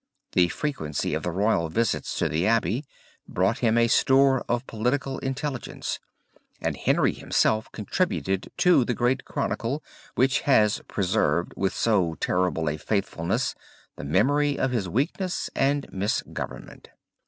The frequency of the royal visits to the abbey brought him a store of political intelligence and Henry himself contributed to the great chronicle which has preserved with so terrible a faithfulness the memory of his weakness and misgovernment.